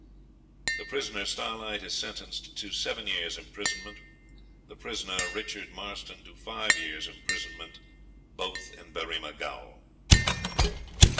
The prisoner Starlight is sentenced to seven years' imprisonment; the prisoner Richard Marston to five years' imprisonment; both in Berrima Gaol.'